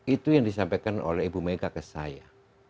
itu yang disampaikan oleh ibu mega ke saya